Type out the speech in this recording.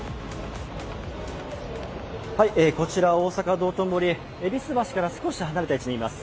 こちら、大阪・道頓堀、戎橋から少し離れた位置にいます。